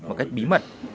một cách bí mật